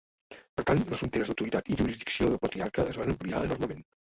Per tant, les fronteres d'autoritat i jurisdicció del patriarca es van ampliar enormement.